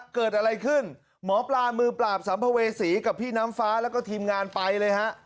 เกิดอะไรขึ้นหมอปลามือปราบสัมภเวษีกับพี่น้ำฟ้าแล้วก็ทีมงานไปเลยฮะ